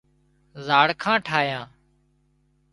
زاڙکان ٺاهيان